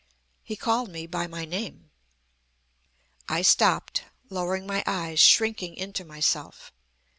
He called me by my name. "I stopped, lowering my eyes, shrinking into myself.